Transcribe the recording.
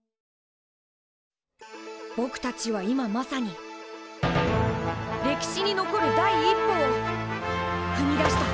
ぼくたちは今まさに歴史に残る第一歩をふみ出した。